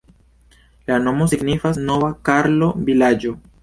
La nomo signifas "Nova karlo-vilaĝo".